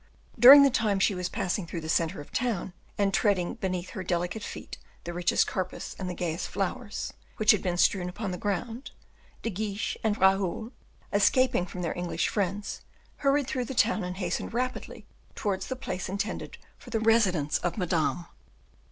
During the time she was passing through the center of town, and treading beneath her delicate feet the richest carpets and the gayest flowers, which had been strewn upon the ground, De Guiche and Raoul, escaping from their English friends, hurried through the town and hastened rapidly towards the place intended for the residence of Madame.